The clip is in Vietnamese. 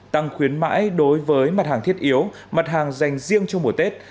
tăng khuyến mãi đối với mặt hàng thiết yếu mặt hàng dành riêng cho mùa tết